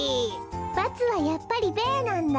×はやっぱり「ベー」なんだ。